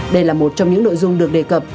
đây là một trong những nội dung được đề cập